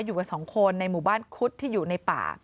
อยู่กับสองคนในหมู่บ้านคุดที่อยู่ในป่า